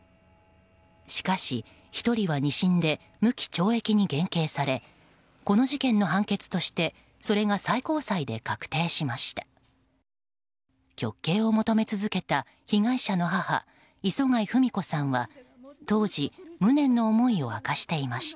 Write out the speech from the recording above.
しかし、１人は２審で無期懲役に減刑されこの事件の判決としてそれが最高裁で確定しました。